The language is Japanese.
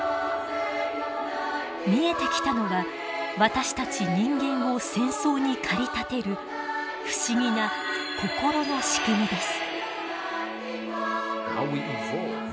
見えてきたのは私たち人間を戦争に駆り立てる不思議な心の仕組みです。